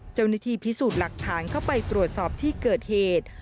เจ้าหน้าที่พิสูจน์หลักฐานเข้าไปตรวจสอบที่เกิดเหตุ